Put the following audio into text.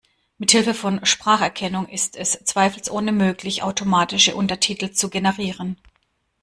Mithilfe von Spracherkennung ist es zweifelsohne möglich, automatische Untertitel zu generieren.